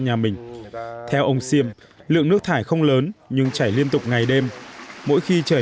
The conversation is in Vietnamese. nhà mình theo ông siêm lượng nước thải không lớn nhưng chảy liên tục ngày đêm mỗi khi trời